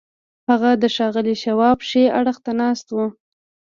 هغه د ښاغلي شواب ښي اړخ ته ناست و.